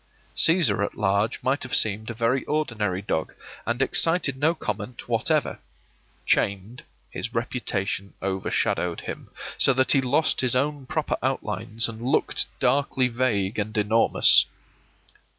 Cæsar at large might have seemed a very ordinary dog, and excited no comment whatever; chained, his reputation overshadowed him, so that he lost his own proper outlines and looked darkly vague and enormous.